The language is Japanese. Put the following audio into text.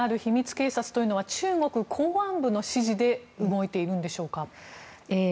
警察というのは中国公安部の指示で動いているんでしょうか。